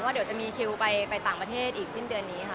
เดี๋ยวจะมีคิวไปต่างประเทศอีกสิ้นเดือนนี้ค่ะ